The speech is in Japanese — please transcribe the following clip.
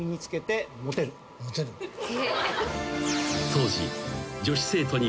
［当時］